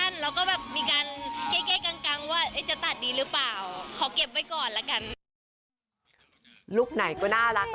ที่จริงก็อยากตัดนะ